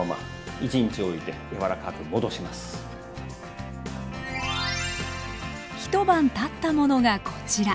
一晩たったものがこちら。